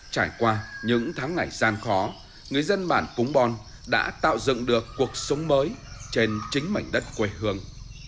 trải qua những tháng ngày gian khó người dân bản cúng bon đã tạo dựng được cuộc sống mới trên chính mảnh đất quê hương